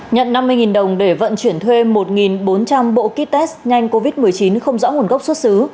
nhận năm mươi đồng để vận chuyển thuê một bốn trăm linh bộ kit test nhanh covid một mươi chín không rõ nguồn gốc xuất xứ